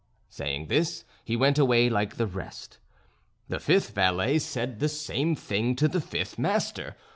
Saying this he went away like the rest. The fifth valet said the same thing to the fifth master.